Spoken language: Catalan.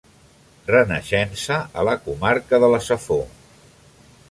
Renaixença a la Comarca de la Safor.